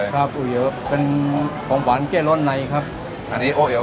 ครับอู้เหยิวเป็นของของหวานเกล็ดล้อนไหนครับอันนี้โอ้เอ้ว